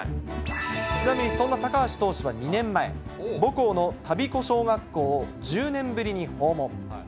ちなみにそんな高橋投手は２年前、母校の田彦小学校を１０年ぶりに訪問。